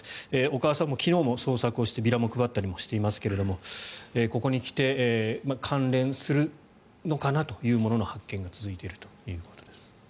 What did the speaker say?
お母さんも昨日も捜索をしてビラを配ったりしていますがここに来て関連するのかなというものの発見が続いているということです。